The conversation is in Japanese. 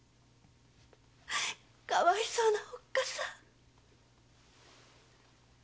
かわいそうなおっかさん！